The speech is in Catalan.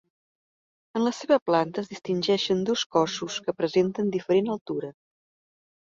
En la seva planta es distingeixen dos cossos que presenten diferent altura.